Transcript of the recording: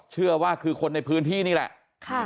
เชื่อว่าคือคนในพื้นที่นี่แหละ